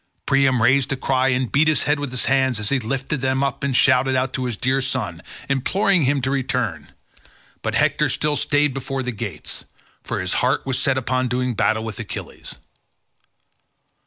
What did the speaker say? Priam raised a cry and beat his head with his hands as he lifted them up and shouted out to his dear son, imploring him to return; but Hector still stayed before the gates, for his heart was set upon doing battle with Achilles.